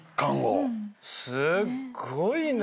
すっごいね！